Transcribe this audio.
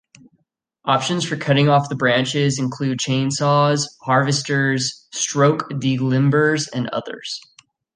Options for cutting off the branches include chain saws, harvesters, stroke delimbers and others.